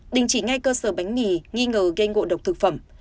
đình chỉ ngay cơ sở bánh mì nghi ngờ gây ngộ độc thực phẩm